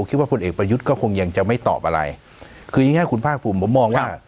พลเอกประยุทธ์ก็คงยังจะไม่ตอบอะไรคืออย่างงี้คุณภาคภูมิผมมองว่า